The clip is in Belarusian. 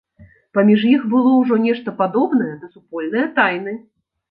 Паміж іх было ўжо нешта падобнае да супольнае тайны.